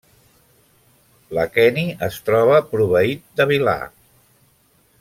L'aqueni es troba proveït de vil·là.